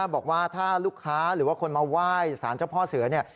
บอกว่าถ้าลูกค้าหรือว่าคนมาไหว้สารเจ้าพ่อเสือเนี่ย